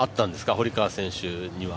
堀川選手には。